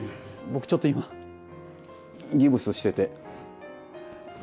僕ちょっと今ギプスしてて。